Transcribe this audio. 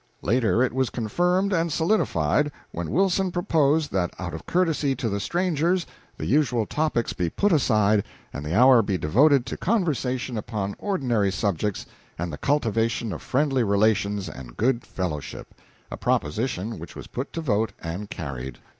Later it was confirmed and solidified when Wilson proposed that out of courtesy to the strangers the usual topics be put aside and the hour be devoted to conversation upon ordinary subjects and the cultivation of friendly relations and good fellowship, a proposition which was put to vote and carried.